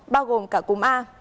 bao gồm cả cúm a